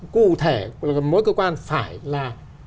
cụ thể mỗi cơ quan phải là